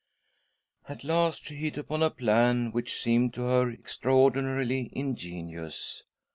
At last, she hit upon a plan which seemed to her extraordinarily ingenious.